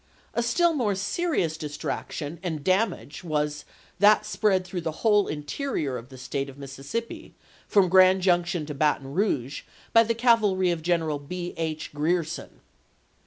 A still more serious distraction and damage was that spread through the whole interior of the State of Mississippi, from Grand Junction to Baton Eouge, by the cavalry of General B. H. Grierson.